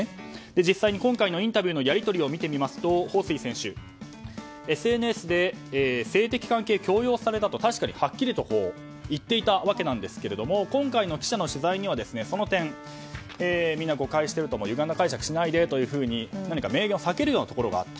実際に今回のインタビューのやり取りを見てみますとホウ・スイ選手、ＳＮＳで性的関係を強要されたと確かにはっきりと言っていたわけなんですが今回の記者の取材には、その点みんな誤解しているゆがんだ解釈をしないでと何か明言を避けるようなところがあった。